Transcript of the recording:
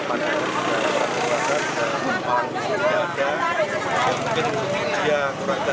dan ada yang mungkin dia kurangkan hati hati untuk besar besar